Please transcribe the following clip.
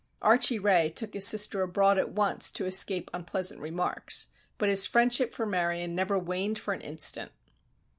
Archie Ray took his sister abroad at once to escape unpleasant remarks, but his friendship for Marion never waned for an instant.